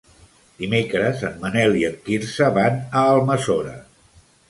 Dimecres en Manel i en Quirze van a Almassora.